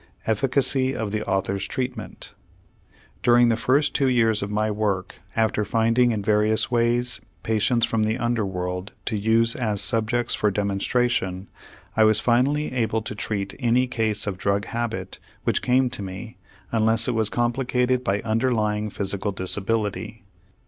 EFFICACY OF THE AUTHOR'S TREATMENT During the first two years of my work, after finding in various ways patients from the under world to use as subjects for demonstration, I was finally able to treat any case of drug habit which came to me unless it was complicated by underlying physical disability.